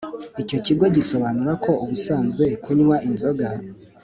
Icyo kigo gisobanura ko ubusanzwe kunywa inzoga